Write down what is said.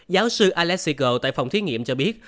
giáo sư alex siegel tại phòng thí nghiệm cho biết